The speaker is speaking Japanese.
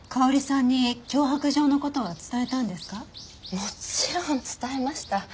もちろん伝えました。